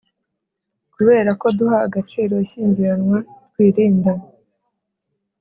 Kubera ko duha agaciro ishyingiranwa twirinda